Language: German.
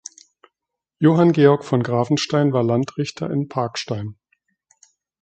Johann Georg von Grafenstein war Landrichter in Parkstein.